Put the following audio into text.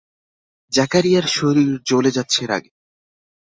জাকারিয়ার শরীর জ্বলে যাচ্ছে রাগে।